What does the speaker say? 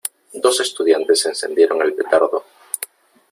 Dos estudiantes encendieron el petardo.